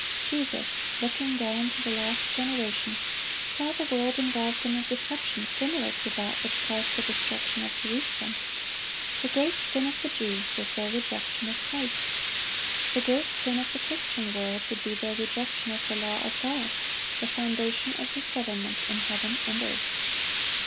Jesus, looking down to the last generation, saw the world involved in a deception similar to that which caused the destruction of Jerusalem. The great sin of the Jews was their rejection of Christ; the great sin of the Christian world would be their rejection of the law of God, the foundation of His government in heaven and earth.